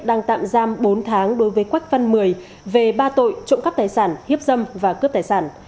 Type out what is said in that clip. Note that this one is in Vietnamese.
đang tạm giam bốn tháng đối với quách văn mười về ba tội trộm cắp tài sản hiếp dâm và cướp tài sản